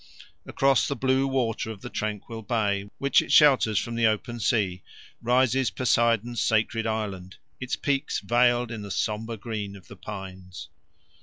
Across the blue water of the tranquil bay, which it shelters from the open sea, rises Poseidon's sacred island, its peaks veiled in the sombre green of the pines.